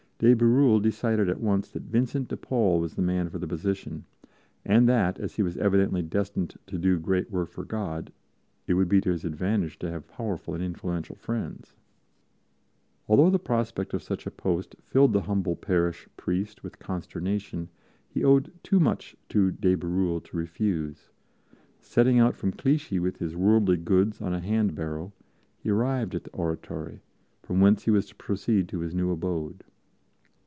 De Bérulle decided at once that Vincent de Paul was the man for the position and that, as he was evidently destined to do great work for God, it would be to his advantage to have powerful and influential friends. Although the prospect of such a post filled the humble parish priest with consternation, he owed too much to de Bérulle to refuse. Setting out from Clichy with his worldly goods on a hand barrow, he arrived at the Oratory, from whence he was to proceed to his new abode.